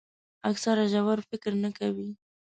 اکثره ژور فکر نه کوي.